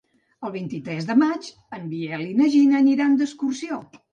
El vint-i-tres de maig en Biel i na Gina aniran d'excursió.